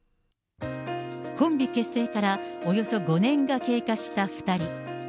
コンビ結成からおよそ５年が経過した２人。